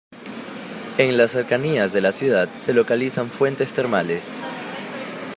En las cercanías de la ciudad se localizan fuentes termales.